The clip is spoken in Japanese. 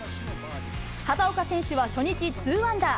畑岡選手は初日、２アンダー。